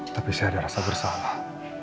tapi saya ada rasa bersalah